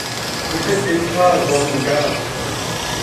Vous faites des phrases dans une gare !